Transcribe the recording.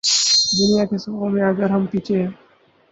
دنیا کی صفوں میں اگر ہم پیچھے ہیں۔